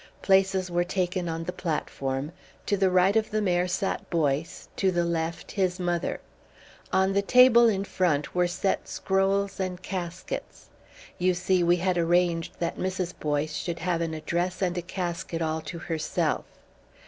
Places were taken on the platform. To the right of the Mayor sat Boyce, to the left his mother. On the table in front were set scrolls and caskets. You see, we had arranged that Mrs. Boyce should have an address and a casket all to herself.